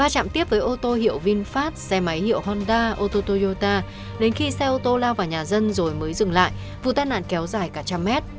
trong phát xe máy hiệu honda ô tô toyota đến khi xe ô tô lao vào nhà dân rồi mới dừng lại vụ tai nạn kéo dài cả trăm mét